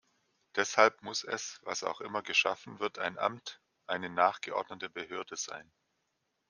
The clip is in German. Deshalb muss es was auch immer geschaffen wird ein Amt, eine nachgeordnete Behörde sein.